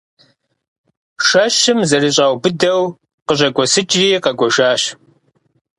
Шэщым зэрыщӏаубыдэу, къыщӏэкӏуэсыкӏри къэкӏуэжащ.